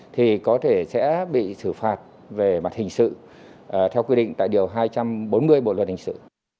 thì có thể sẽ bị xử phạt về mặt hình sự theo quy định tại điều hai trăm bốn mươi bộ luật hình sự